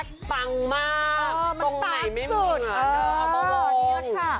สุดปังมากตรงไหนไม่มีอ่ะเนอะประวง